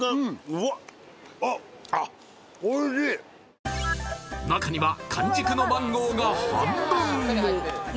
うんあっ中には完熟のマンゴーが半分も！